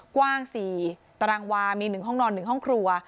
กว้างสี่ตารางวามีหนึ่งห้องนอนหนึ่งห้องครัว